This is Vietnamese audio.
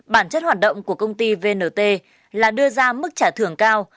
bản chất hoạt động của công ty vnt là đưa ra mức trả thưởng cao